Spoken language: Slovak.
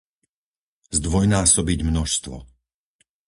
Zdvojnásobiť množstvo!